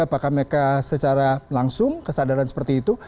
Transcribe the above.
apakah mereka secara langsung kesadaran seperti itu